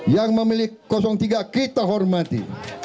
yang memiliki kosong tiga kita hormati